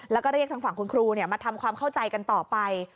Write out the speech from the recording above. แล้วก็เรียกทางฝั่งคุณครูมาทำความเข้าใจกันต่อไป